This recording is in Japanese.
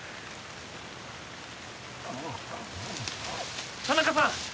ああっ田中さん